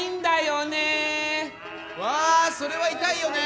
わぁそれは痛いよね